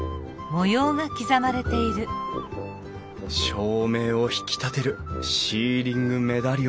照明を引き立てるシーリングメダリオン。